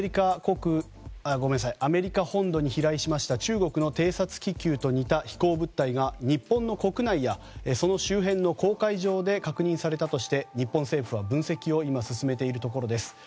アメリカ本土に飛来しました中国の偵察気球と似た飛行物体が日本の国内やその周辺の公海上で確認されたとして日本政府は分析を今、進めているところです。